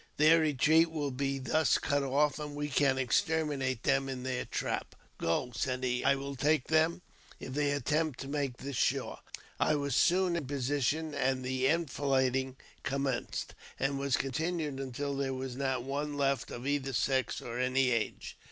Their retreat will be thus cut off, and we can exterminate them in their trap." "Go," said he ; "I will take them if they attempt to make this shore." I was soon in position, and the enfilading commenced, and was continued until there was not one left of either sex or any age.